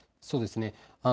そうですね。